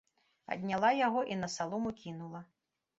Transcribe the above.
Адняла яго і на салому кінула.